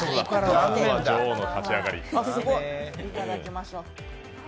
いただきましょう。